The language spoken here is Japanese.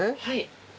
はい。